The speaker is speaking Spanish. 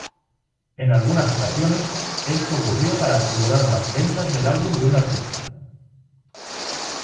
En algunas ocasiones, esto ocurría para asegurar las ventas del álbum de un artista.